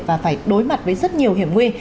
và phải đối mặt với rất nhiều hiểm nguyên